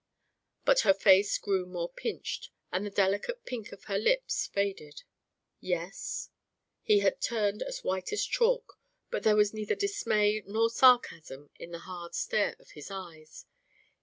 But her face grew more pinched, and the delicate pink of her lips faded. "Yes?" He had turned as white as chalk, but there was neither dismay nor sarcasm in the hard stare of his eyes.